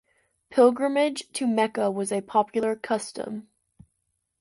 Pilgrimage to Mecca was a popular custom.